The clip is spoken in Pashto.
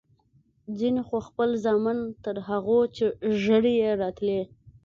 ځينو خو خپل زامن تر هغو چې ږيرې يې راتلې.